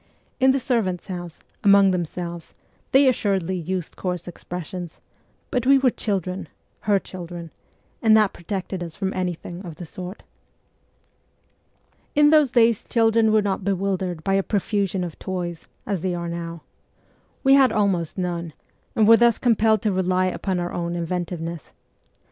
In the servants' house, among themselves, they assuredly used coarse expressions ; but we were children her children and that protected us from anything of the sort. In those days children were not bewildered by a profusion of toys, as they are now. We had almost none, and were thus compelled to rely upon our own inventiveness.